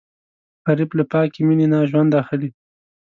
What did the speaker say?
غریب له پاکې مینې نه ژوند اخلي